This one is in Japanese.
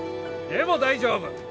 でも大丈夫。